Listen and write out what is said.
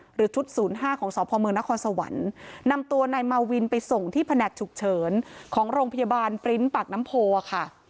หรือชุดศูนย์ห้าของสพมนครสวรรค์นำตัวนายมาวินไปส่งที่แผนกฉุกเฉินของโรงพยาบาลปริ้นต์ปากน้ำโพค่ะ